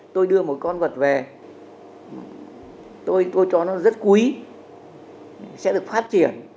tôi đưa một con vật về tôi cho nó rất quý sẽ được phát triển